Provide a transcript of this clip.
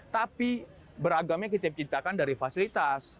tapi beragamnya kita ciptakan dari fasilitas